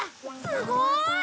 すごーい！